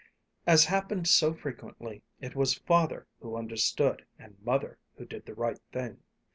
As happened so frequently, it was Father who understood and Mother who did the right thing.